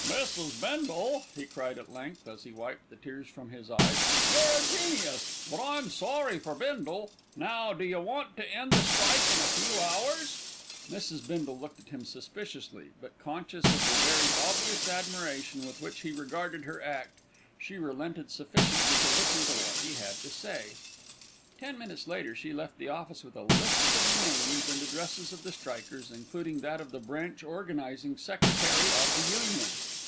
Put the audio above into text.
"Mrs. Bindle," he cried at length, as he wiped the tears from his eyes, "you're a genius; but I'm sorry for Bindle. Now, do you want to end the strike in a few hours?" Mrs. Bindle looked at him suspiciously; but, conscious of the very obvious admiration with which he regarded her act, she relented sufficiently to listen to what he had to say. Ten minutes later she left the office with a list of the names and addresses of the strikers, including that of the branch organising secretary of the Union.